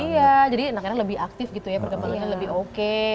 iya jadi anak anak lebih aktif gitu ya perkembangannya lebih oke